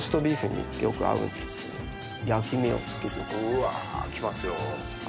うわきますよ。